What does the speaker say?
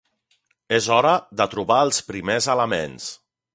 És hora de trobar els primers elements.